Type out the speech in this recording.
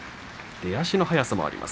出足の速さもあります。